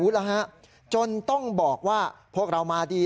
พระขู่คนที่เข้าไปคุยกับพระรูปนี้